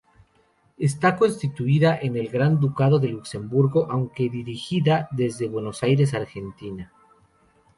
Está constituida en el Gran Ducado de Luxemburgo, aunque dirigida desde Buenos Aires, Argentina.